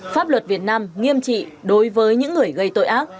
pháp luật việt nam nghiêm trị đối với những người gây tội ác